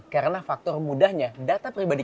karena faktor mudahnya data pribadi